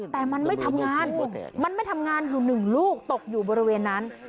แต่มันไม่ทำงานมันไม่ทำงานอยู่หนึ่งลูกตกอยู่บริเวณนั้น